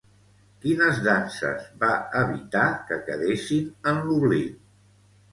Quines danses va evitar que quedessin en l'oblit?